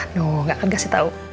ya no nggak akan kasih tau